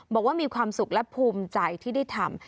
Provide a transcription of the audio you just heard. บอกว่ามีความสุขและภูมิใจที่ได้ทำ